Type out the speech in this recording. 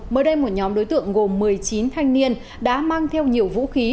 mới đây một nhóm đối tượng gồm một mươi chín thanh niên đã mang theo nhiều vũ khí